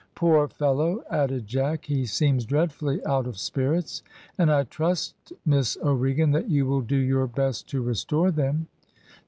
"Poor fellow," added Jack, "he seems dreadfully out of spirits; and I trust, Miss O'Regan, that you will do your best to restore them."